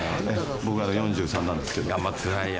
僕、４３なんですけど。